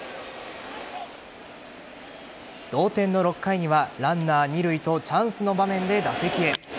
同点の６回には、ランナー二塁とチャンスの場面で打席へ。